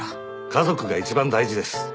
家族が一番大事です。